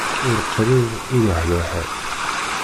Ur qrib, ur ɛla ḥal.